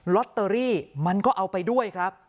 ลอตเตอรี่มันก็เอาไปด้วยครับ